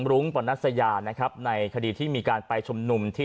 รุ้งปะทุมวันในคดีที่มีการไปชมหนุ่มที่